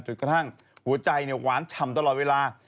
กระทั่งหัวใจหวานฉ่ำตลอดเวลา